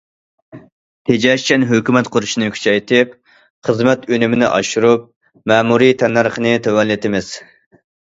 تېجەشچان ھۆكۈمەت قۇرۇشنى كۈچەيتىپ، خىزمەت ئۈنۈمىنى ئاشۇرۇپ، مەمۇرىي تەننەرخنى تۆۋەنلىتىمىز.